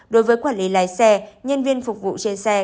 đối với quản lý lái xe nhân viên phục vụ trên xe